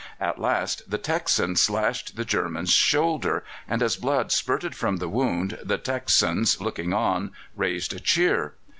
At last the Texan slashed the German's shoulder, and as blood spirted from the wound the Texans, looking on, raised a cheer.